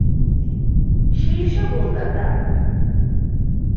শীর্ষ গোলদাতা